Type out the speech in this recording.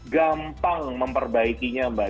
gampang memperbaikinya mbak